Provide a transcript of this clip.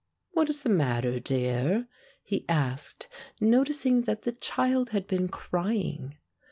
"What is the matter, dear?" he asked, noticing that the child had been crying.